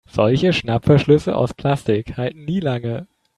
Solche Schnappverschlüsse aus Plastik halten nie lange.